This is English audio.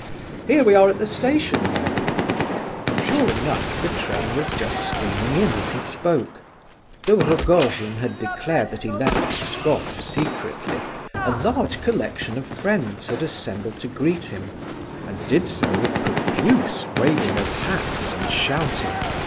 here we are at the station, though." Sure enough, the train was just steaming in as he spoke. Though Rogojin had declared that he left Pskoff secretly, a large collection of friends had assembled to greet him, and did so with profuse waving of hats and shouting.